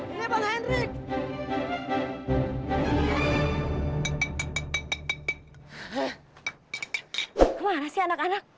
kemana sih anak anak